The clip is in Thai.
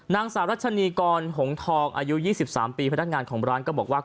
นางสาวรัชนีกรหงทองอายุ๒๓ปีพนักงานของร้านก็บอกว่า